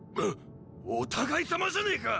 お互いさまじゃねえか！